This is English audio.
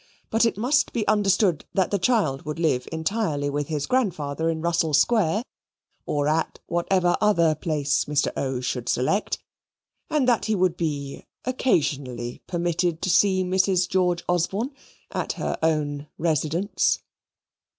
But it must be understood that the child would live entirely with his grandfather in Russell Square, or at whatever other place Mr. O. should select, and that he would be occasionally permitted to see Mrs. George Osborne at her own residence.